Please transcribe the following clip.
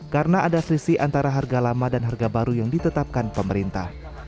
karena ada selisih antara harga lama dan harga baru yang ditetapkan pemerintah